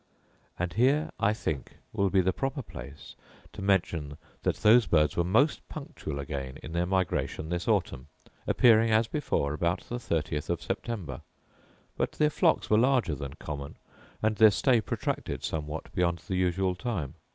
And here, I think, will be the proper place to mention that those birds were most punctual again in their migration this autumn, appearing, as before, about the 30th of September: but their flocks were larger than common, and their stay protracted somewhat beyond the usual time.